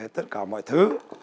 tất cả mọi thứ